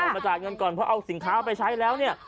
เพราะเอาสินค้าไปใช้แล้วเนี่ย